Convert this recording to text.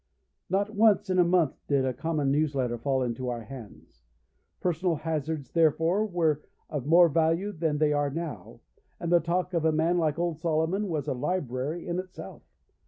Not once in a month did a common newsletter fall into our hands. Personal hazards, therefore, were of more value then than they are now, and the talk of a man like old Solomon was a library in itself.